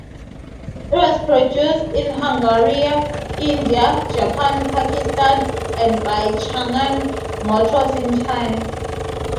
It was produced in Hungary, India, Japan, Pakistan and by Chang'an Motors in China.